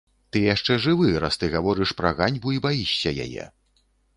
Ты яшчэ жывы, раз ты гаворыш пра ганьбу і баішся яе.